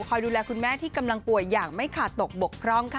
ดูแลคุณแม่ที่กำลังป่วยอย่างไม่ขาดตกบกพร่องค่ะ